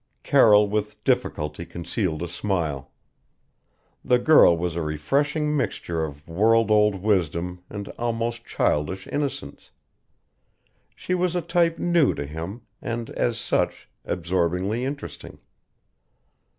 Carroll with difficulty concealed a smile. The girl was a refreshing mixture of world old wisdom and almost childish innocence. She was a type new to him, and, as such, absorbingly interesting.